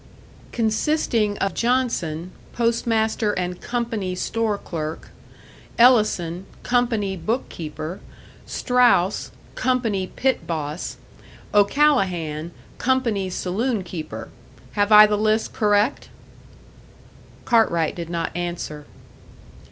"Consisting of Johnson, postmaster and company store clerk; Ellison, company book keeper; Strauss, company pit boss; O'Callahan, company saloon keeper. Have I the list correct?" Cartwright did not answer.